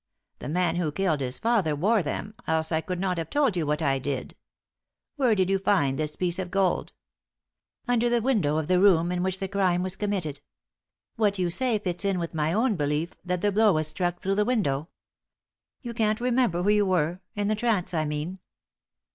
The man who killed his father wore them, else I could not have told you what I did. Where did you find this piece of gold?" "Under the window of the room in which the crime was committed. What you say fits in with my own belief that the blow was struck through the window. You can't remember who you were in the trance, I mean?"